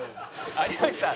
「有吉さん